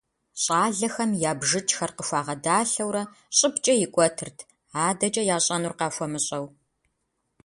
Щӏалэхэм я бжыкӀхэр къыхуагъэдалъэурэ щӀыбкӀэ икӀуэтырт, адэкӀэ ящӀэнур къахуэмыщӀэу.